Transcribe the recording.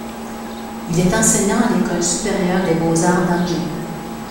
Il est enseignant à l'École supérieure des beaux-arts d'Angers.